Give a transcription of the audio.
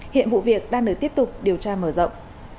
hiện vụ việc đang được tiếp tục điều tra mở rộng